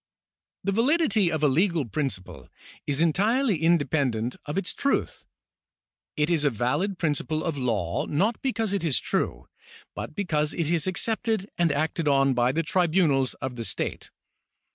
^ The validity of a legal principle is entirely independent of its truth. It is a valid principle of law, not because it is true, but because it is accepted and acted on by the tribunals of the state.